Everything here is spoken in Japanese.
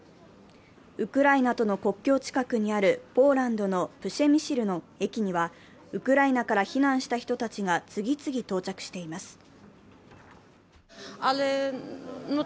ウクライナとの国境近くにあるポーランドのプシェミシルの駅にはウクライナから避難した人たちが次々到着しています。